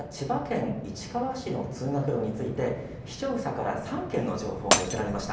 実は千葉県市川市の通学路について視聴者から３件の情報が寄せられました。